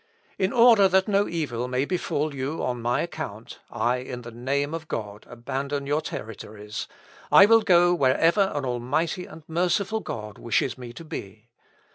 In order that no evil may befall you on my account, I, in the name of God, abandon your territories; I will go wherever an almighty and merciful God wishes me to be.